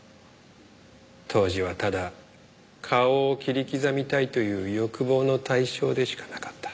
当時はただ顔を切り刻みたいという欲望の対象でしかなかった。